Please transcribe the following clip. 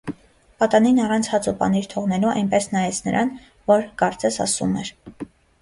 Պատանին առանց հաց ու պանիրը թողնելու, այնպես նայեց նրան, որ, կարծես, ասում էր.